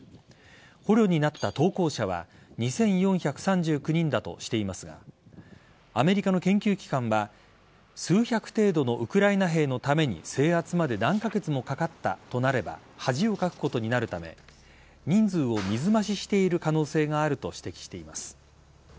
捕虜になった投降者は２４３９人だとしていますがアメリカの研究機関は数百程度のウクライナ兵のために制圧まで何カ月もかかったとなれば恥をかくことになるため人数を水増ししている可能性があると指摘しています。